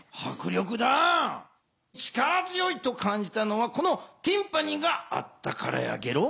力強いと感じたのはこのティンパニがあったからやゲロ。